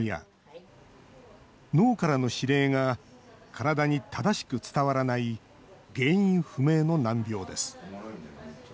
脳からの指令が体に正しく伝わらない原因不明の難病です。